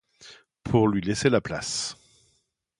Pour lui laisser la place.